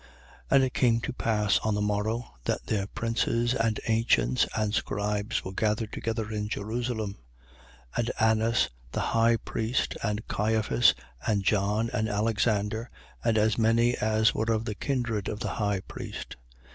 4:5. And it came to pass on the morrow, that their princes and ancients and scribes were gathered together in Jerusalem. 4:6. And Annas the high priest and Caiphas and John and Alexander: and as many as were of the kindred of the high priest.